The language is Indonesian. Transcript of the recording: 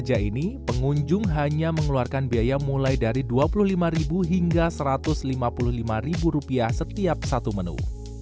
sejak ini pengunjung hanya mengeluarkan biaya mulai dari rp dua puluh lima hingga rp satu ratus lima puluh lima setiap satu menu